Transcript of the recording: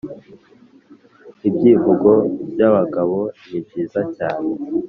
Ibyivugo by'abagabo nibyiza cyane